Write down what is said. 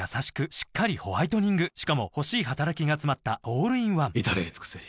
しっかりホワイトニングしかも欲しい働きがつまったオールインワン至れり尽せり